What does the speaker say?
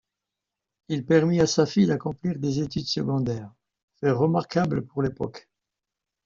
Il permit à sa fille d'accomplir des études secondaires, fait remarquable pour l'époque.